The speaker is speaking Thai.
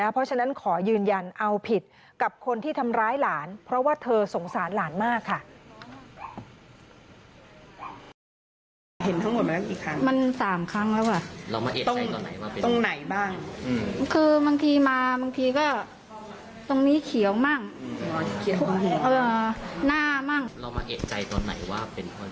เพราะฉะนั้นขอยืนยันเอาผิดกับคนที่ทำร้ายหลานเพราะว่าเธอสงสารหลานมากค่ะ